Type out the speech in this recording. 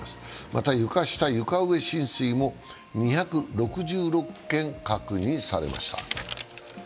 また床下・床上浸水も２６６件確認されました。